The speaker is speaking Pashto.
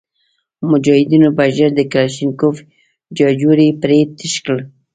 مجاهدینو به ژر د کلشینکوف ججوري پرې تش کړ.